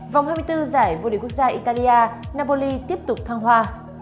vòng hai mươi bốn giải vô địch quốc gia italia navoli tiếp tục thăng hoa